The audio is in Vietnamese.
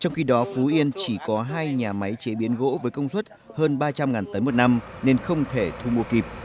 trong khi đó phú yên chỉ có hai nhà máy chế biến gỗ với công suất hơn ba trăm linh tấn một năm nên không thể thu mua kịp